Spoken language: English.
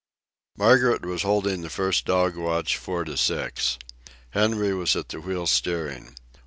Margaret was holding the first dog watch, four to six. Henry was at the wheel steering.